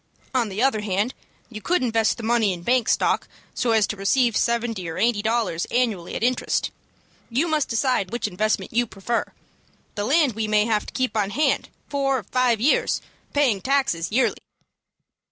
On the other hand, you could invest the money in bank stock, so as to receive seventy or eighty dollars annually at interest. You must decide which investment you prefer. The land we may have to keep on hand four or five years, paying taxes yearly."